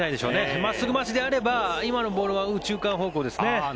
真っすぐ待ちであれば今のボールは右中間方向ですね。